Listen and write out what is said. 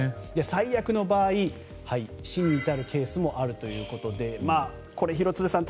最悪の場合、死に至るケースもあるということでこれ、廣津留さん